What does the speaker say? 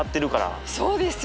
そうですよ。